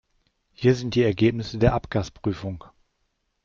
Hier sind die Ergebnisse der Abgasprüfung.